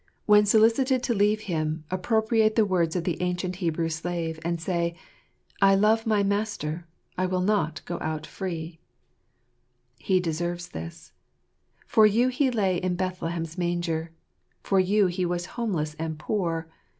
When solicited to leave 128 fosqxlj's JUnttmafraftmt of (Bgirpt. Him, appropriate the words of the ancient Hebrew slave, and say, " I love my Master ; I will not go out free." He deserves this. For you He lay in Bethlehem's manger. For you He was homeless and poor.